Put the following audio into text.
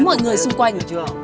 mọi người xung quanh